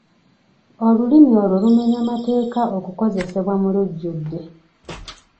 Olulimi olwo lumenya mateeka okukozesebwa mu lujjudde.